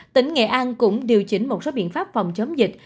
tỉnh nghệ an cũng điều chỉnh một số biện pháp phòng chống dịch